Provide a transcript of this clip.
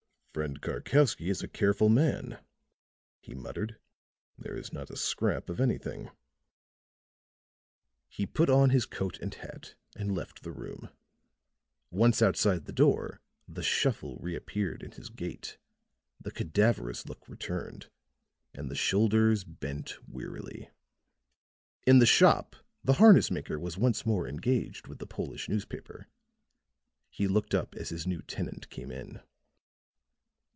"Friend Karkowsky is a careful man," he muttered. "There is not a scrap of anything." He put on his coat and hat and left the room. Once outside the door, the shuffle reappeared in his gait, the cadaverous look returned, and the shoulders bent wearily. In the shop, the harness maker was once more engaged with the Polish newspaper; he looked up as his new tenant came in.